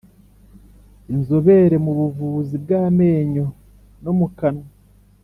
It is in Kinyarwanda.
Inzobere mu buvuzi bw amenyo no mu kanwa